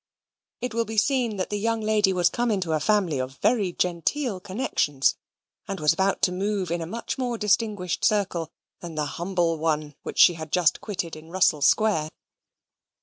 It will be seen that the young lady was come into a family of very genteel connexions, and was about to move in a much more distinguished circle than that humble one which she had just quitted in Russell Square.